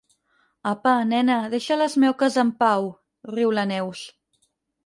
Apa, nena, deixa les meuques en pau —riu la Neus.